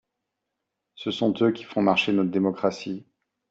Ce sont eux qui font marcher notre démocratie